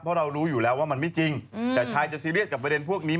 เพราะเรารู้อยู่แล้วว่ามันไม่จริงแต่ชายจะซีเรียสกับประเด็นพวกนี้